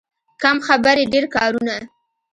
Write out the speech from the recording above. کم خبرې، ډېر کارونه.